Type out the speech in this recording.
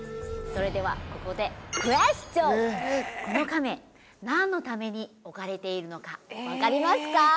それではここでクエスチョンこの甕何のために置かれているのか分かりますか？